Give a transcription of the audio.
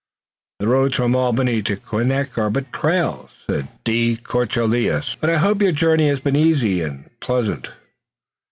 "The roads from Albany to Quebec are but trails," said de Courcelles, "but I hope your journey has been easy and pleasant."